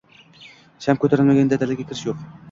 Sham koʻtarilmaguncha dalaga kirish yoʻq.